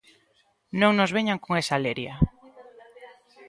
Non nos veñan con esa leria.